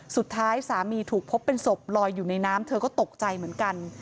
สุดท้ายสามีถูกพบเป็นศพลอยอยู่ในน้ำเธอก็ตกใจเหมือนกัน